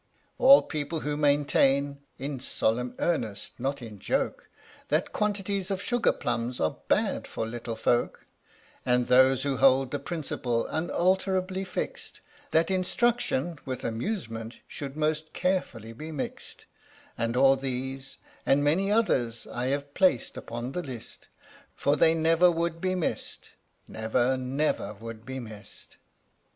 All people who maintain (in solemn earnest not in joke) That quantities of sugar plums are bad for little folk, And those who hold the principle, unalterably fixed, That instruction with amusement should most carefully be mixed; All these (and many others) I have placed upon the list, For they never would be missed never, never would be missed!